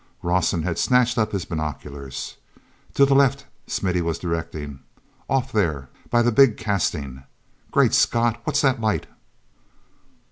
Rawson had snatched up his binoculars. "To the left," Smithy was directing. "Off there, by the big casting. Great Scott! what's that light?"